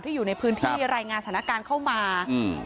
ที่อยู่ในพื้นที่รายงานสถานะการเข้ามาตอนนี้คุณ